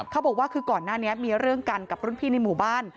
เขาบอกว่าคือก่อนหน้านี้มีเรื่องกันกับรุ่นพี่ในหมู่บ้าน